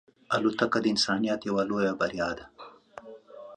طیاره د انسانیت یوه لویه بریا ده.